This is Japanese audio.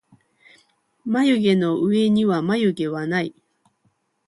まゆげのうえにはまゆげはない